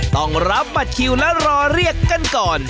ต้องรับบัตรคิวและรอเรียกกันก่อน